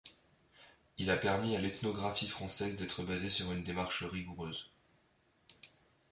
Il a permis à l'ethnographie française d'être basée sur une démarche rigoureuse.